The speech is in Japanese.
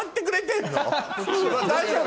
大丈夫？